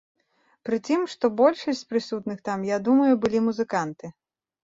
Пры тым, што большасць з прысутных там, я думаю, былі музыканты.